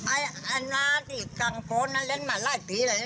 อ่าอาณาที่กลางโฟนน่ะเล่นมาไล่เท่าที่เลย